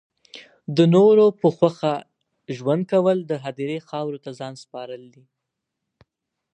د نورو په خوښه ژوند کول د هدیرې خاورو ته ځان سپارل دی